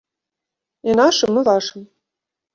І нашым, і вашым.